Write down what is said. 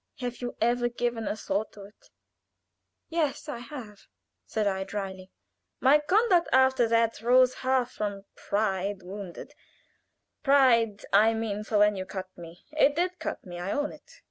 Have you ever given a thought to it?" "Yes, I have," said I, dryly. "My conduct after that rose half from pride wounded pride, I mean, for when you cut me, it did cut me I own it.